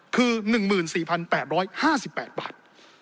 คือ๑๔๘๕๘บาท